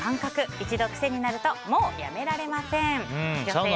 一度癖になるともうやめられません。